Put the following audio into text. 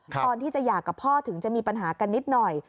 ตอนที่จะหย่ากับพ่อถึงจะมีปัญหากันนิดหน่อย